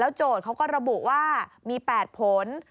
โจทย์เขาก็ระบุว่ามี๘ผล